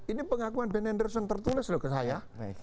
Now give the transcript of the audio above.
ini pengakuan ben enderson tertulis loh ke saya